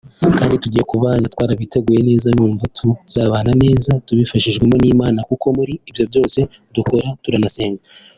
kandi tugiye kubana twarabiteguye neza numva tuzanabana neza tubifashjwemo n’Imana kuko muri ibyo byose dukora turanasenga